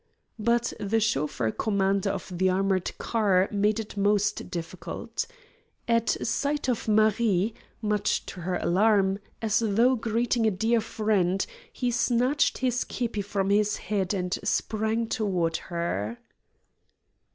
But the chauffeur commander of the armored car made it most difficult. At sight of Marie, much to her alarm, as though greeting a dear friend, he snatched his kepi from his head and sprang toward her.